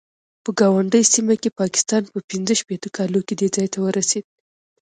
په ګاونډۍ سیمه کې پاکستان په پنځه شپېته کالو کې دې ځای ته ورسېد.